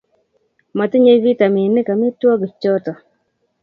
matinye vitaminik amitwogik choto